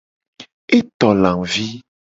E to lavi.